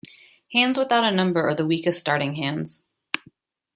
Hands without a number are the weakest starting hands.